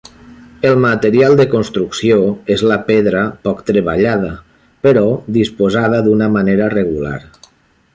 El material de construcció és la pedra, poc treballada, però disposada d'una manera regular.